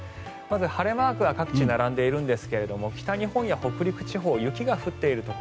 まず、晴れマークが各地並んでいるんですが北日本や北陸地方雪が降っている